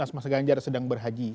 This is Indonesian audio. mas anies mas ganjar sedang berhaji